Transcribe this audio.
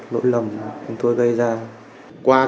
lỗi lầm tôi gây ra